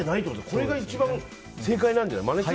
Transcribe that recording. これが一番、正解なんじゃない？